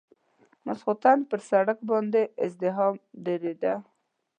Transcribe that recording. ماخستن به پر سړک باندې ازدحام ډېرېده.